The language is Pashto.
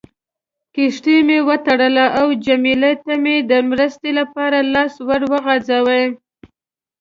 کښتۍ مې وتړله او جميله ته مې د مرستې لپاره لاس ور وغځاوه.